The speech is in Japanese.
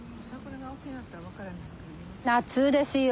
夏ですよ。